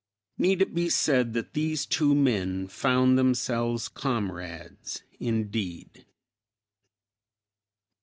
Need it be said that these two men found themselves comrades, indeed?